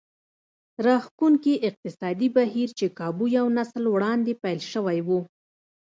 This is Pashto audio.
راښکوونکي اقتصادي بهير چې کابو يو نسل وړاندې پيل شوی و.